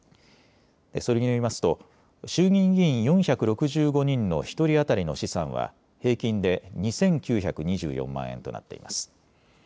それによりますと衆議院議員４６５人の１人当たりの資産は平均で２９２４万円となっています。